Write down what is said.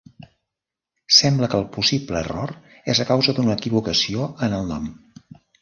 Sembla que el possible error és a causa d'una equivocació en el nom.